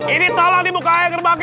ini tolong dibuka ya gerbangnya